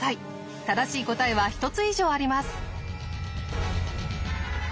正しい答えは１つ以上あります」。